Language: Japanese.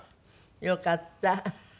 よかった。